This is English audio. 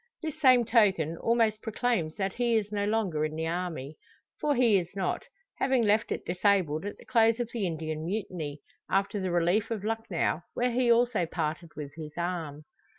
This same token almost proclaims that he is no longer in the army. For he is not having left it disabled at the close of the Indian Mutiny: after the relief of Lucknow, where he also parted with his arm.